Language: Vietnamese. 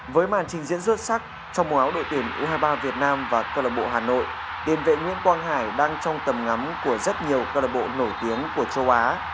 với màn trình diễn rớt sắc trong mùa áo đội tuyển u hai mươi ba việt nam và club hà nội điện vệ nguyễn quang hải đang trong tầm ngắm của rất nhiều club nổi tiếng của châu á